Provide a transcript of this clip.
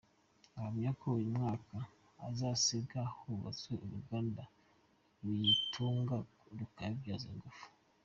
Ahamya ko uyu mwaka uzasiga hubatswe uruganda ruyitunganya rukayibyaza ingufu.